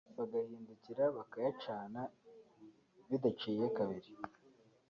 bagahindukira bakayacana bidaciye kabiri